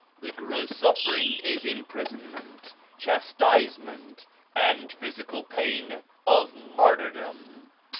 The gross suffering is impris onment, chastisement and physical pain of mar tyrdom."